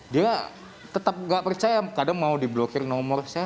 dia tetap nggak percaya kadang mau diblokir nomor saya